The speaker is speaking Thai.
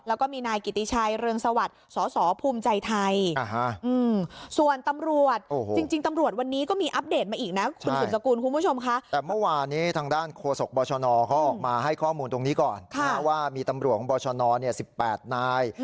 แล้วก็มีนายกิติชัยเรียงสวัสดิ์สสภูมิใจไทย